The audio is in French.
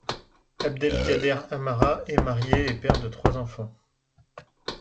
Abdelkader Amara est marié et père de trois enfants.